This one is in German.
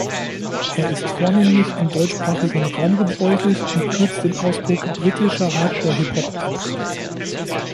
Er ist vornehmlich im deutschsprachigen Raum gebräuchlich und kürzt den Ausdruck „britischer Hardcore-Hip-Hop“ ab.